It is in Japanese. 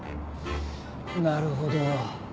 なるほど。